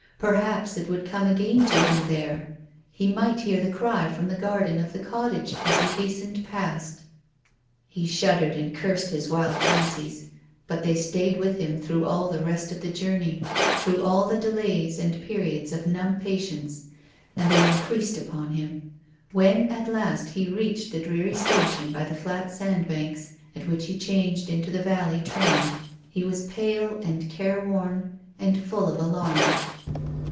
Perhaps it would come again to him there. He might hear the cry from the garden of the cottage as he hastened past. He shuddered and cursed his wild fancies. But they stayed with him through all the rest of the journey, through all the delays and periods of numb patience. And they increased upon him. When at last he reached the dreary station by the flat sandbanks, at which he changed into the vallej train, he was pale and careworn, and full of alarm.